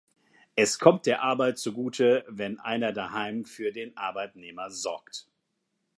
Es kommt der Arbeit zugute, wenn einer daheim für den Arbeitnehmer sorgt.